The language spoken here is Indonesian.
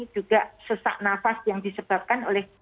juga sesak nafas yang disebabkan oleh